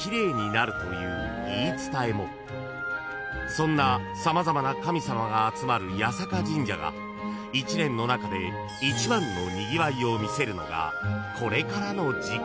［そんな様々な神様が集まる八坂神社が１年の中で一番のにぎわいを見せるのがこれからの時期］